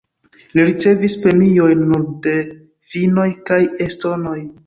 Li ricevis premiojn nur de finnoj kaj estonoj.